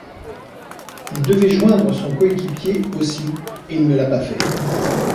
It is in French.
Il devait joindre son coéquipier, aussi, et il ne l’a pas fait.